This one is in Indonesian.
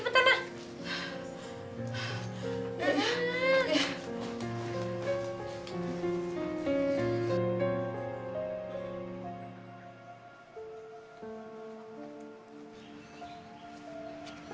ibu cepetan ibu